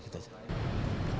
tidak kita jalan